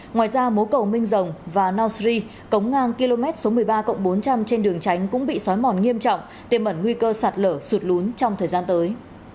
ngoài ra mố cầu minh rồng và nausri cống ngang km số một mươi ba cộng bốn trăm linh trên đường tránh cũng bị xói mòn nghiêm trọng tiềm ẩn nguy cơ sạt lở sụt lún trong thời gian tới